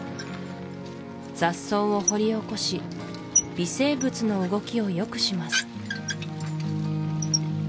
雑草を掘り起こし微生物の動きをよくします